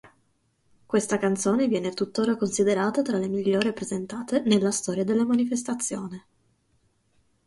Questa canzone viene tuttora considerata tra le migliori presentate nella storia della manifestazione.